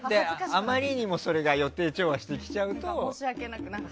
あまりにもそれが予定調和してきちゃうと。